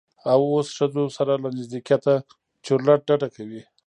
او اوس ښځو سره له نږدیکته چورلټ ډډه کوي.